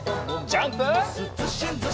ジャンプ！